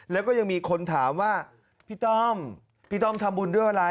แล้วก็ยังมีคนถามว่าพี่ต้อมพี่ต้อมทำบุญด้วยอะไร